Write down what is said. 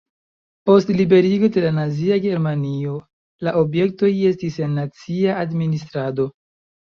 Post liberigo de la nazia Germanio la objektoj estis en nacia administrado.